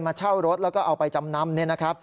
มาเช่ารถแล้วก็เอาไปจำนำ